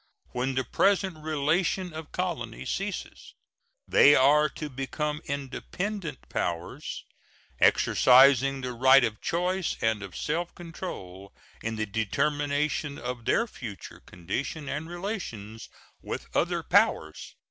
When the present relation of colonies ceases, they are to become independent powers, exercising the right of choice and of self control in the determination of their future condition and relations with other powers."